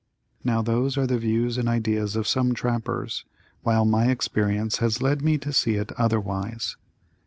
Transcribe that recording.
Now those are the views and ideas of some trappers, while my experience has led me to see it otherwise.